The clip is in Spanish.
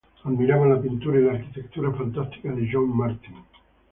Admiraban la pintura y la arquitectura fantástica de John Martin.